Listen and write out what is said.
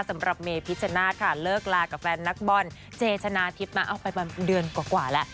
สำหรับเมพิชชนาธิ์ค่ะเลิกลากับแฟนนักบอลเจชนะทิพย์มาเอาไปเดือนกว่าแล้ว